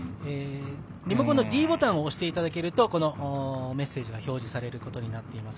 リモコンのｄボタンを押していただくとメッセージが表示されることになっています。